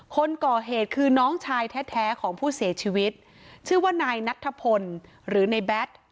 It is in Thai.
คนก่อเหตุคือน้องชายแท้ของผู้เสียชีวิตชื่อว่านายนัทธพลหรือในแบท